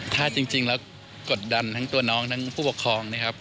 ถ้าจริงแล้วกดดันทั้งตัวน้องทั้งผู้ปกครองนะครับ